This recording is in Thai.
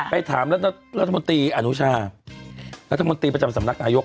ไปถามรัฐมนตรีอนุชารัฐมนตรีประจำสำนักนายก